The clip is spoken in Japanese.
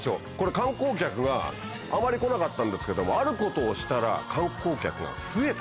観光客があまり来なかったんですけどもあることをしたら観光客が増えた。